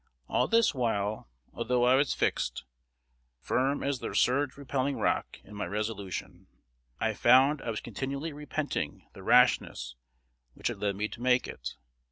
All this while, although I was fixed, "firm as the surge repelling rock," in my resolution, I found I was continually repenting the rashness which had led me to make it.